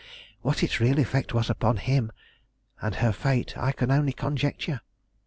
What its real effect was upon him and her fate I can only conjecture.